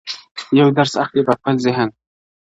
يو درس اخلي په خپل ذهن-